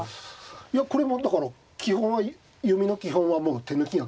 いやこれもだから読みの基本はもう手抜きが基本だから。